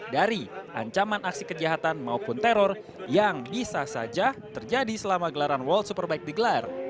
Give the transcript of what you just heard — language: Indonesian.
dari ancaman aksi kejahatan maupun teror yang bisa saja terjadi selama gelaran world superbike digelar